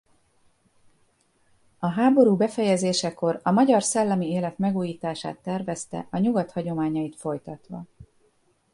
A háború befejezésekor a magyar szellemi élet megújítását tervezte a Nyugat hagyományait folytatva.